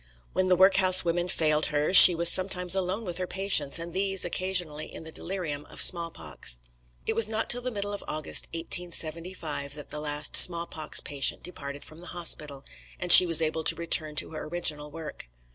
When the work house women failed her she was sometimes alone with her patients, and these occasionally in the delirium of small pox. It was not till the middle of August, 1875, that the last small pox patient departed from the hospital, and she was able to return to her original work.